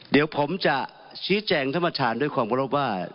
เดี๋ยวผมจะชี้แจงธรรมฐานด้วยความรู้รับว่า